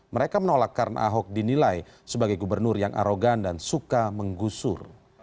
mereka menolak karena ahok dinilai sebagai gubernur yang arogan dan suka menggusur